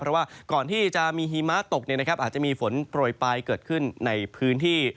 เพราะว่าก่อนที่จะมีหิมะตกอาจจะมีฝนโปรยปลายเกิดขึ้นในพื้นที่